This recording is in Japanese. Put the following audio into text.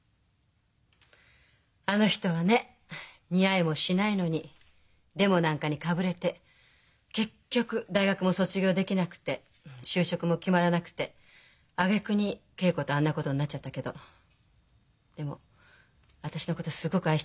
あの人はね似合いもしないのにデモなんかにかぶれて結局大学も卒業できなくて就職も決まらなくてあげくに桂子とあんなことになっちゃったけどでも私のことすごく愛してたの。